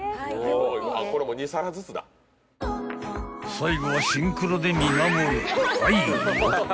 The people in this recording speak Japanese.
［最後はシンクロで見守る］